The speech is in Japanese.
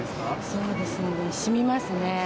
そうですね、しみますね。